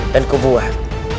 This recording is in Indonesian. dan ku buat